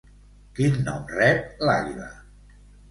Quin nom rep l'àguila?